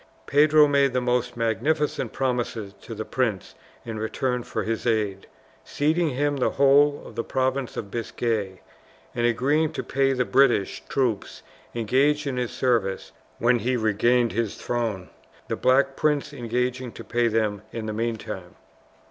Pedro made the most magnificent promises to the prince in return for his aid, ceding him the whole of the province of Biscay, and agreeing to pay the British troops engaged in his service when he regained his throne, the Black Prince engaging to pay them in the meantime.